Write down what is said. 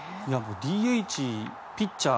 ＤＨ、ピッチャー